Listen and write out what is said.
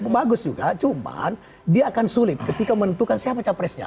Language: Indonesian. bagus juga cuman dia akan sulit ketika menentukan siapa capresnya